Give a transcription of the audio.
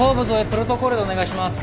プロトコールでお願いします。